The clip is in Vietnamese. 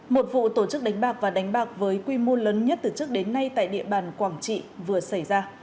một vụ tổ chức đánh bạc và đánh bạc với quy mô lớn nhất từ trước đến nay tại địa bàn quảng trị vừa xảy ra